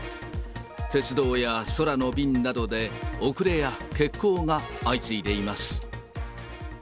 鉄道や空の便などで、遅れや欠航が相次いでいます。